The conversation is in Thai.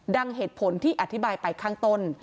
เหตุผลที่อธิบายไปข้างต้น